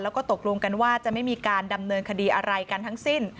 แล้วก็ตกลงกันว่าจะไม่มีการดำเนินคดีอะไรกันทั้งสิ้น